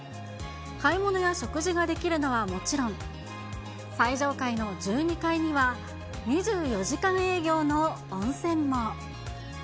買い物や食事ができるのはもちろん、最上階の１２階には、２４時間営業の温泉も。